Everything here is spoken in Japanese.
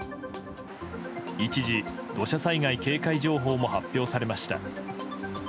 一時、土砂災害警戒情報も発表されました。